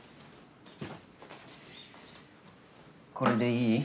これでいい？